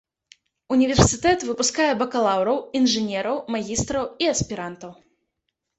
Універсітэт выпускае бакалаўраў, інжынераў, магістраў і аспірантаў.